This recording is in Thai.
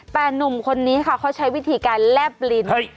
แต่หนุ่มคนนี้ค่ะเขาใช้วิธีการแลบลิ้น